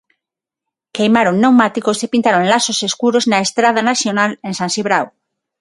Queimaron pneumáticos e pintaron lazos escuros na estrada nacional en San Cibrao.